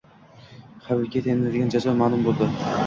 Xabibga tayinlanadigan jazo maʼlum boʻldi